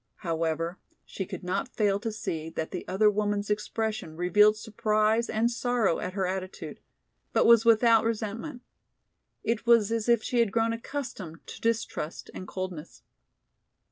However, she could not fail to see that the other woman's expression revealed surprise and sorrow at her attitude, but was without resentment. It was as if she had grown accustomed to distrust and coldness.